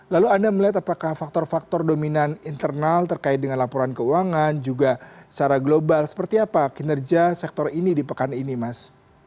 lalu anda melihat apakah faktor faktor dominan internal terkait dengan laporan keuangan juga secara global seperti apa kinerja sektor ini di pekan ini mas